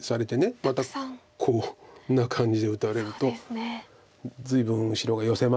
またこんな感じで打たれると随分白がヨセましたよね。